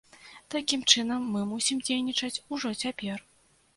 Такім чынам, мы мусім дзейнічаць ужо цяпер.